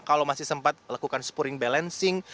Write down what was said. kalau masih sempat lakukan spuring balancing